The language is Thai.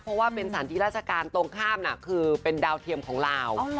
เพราะว่าเป็นสถานที่ราชการตรงข้ามน่ะคือเป็นดาวเทียมของลาว